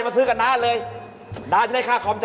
มาซื้อของนะ